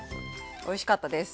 おいしかったです。